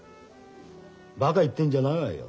「バカ言ってんじゃないわよ。